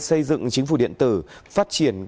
xây dựng chính phủ điện tử phát triển